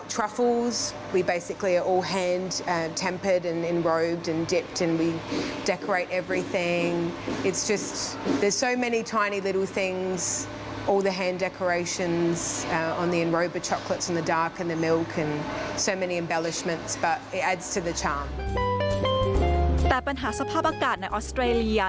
แต่ปัญหาสภาพอากาศในออสเตรเลีย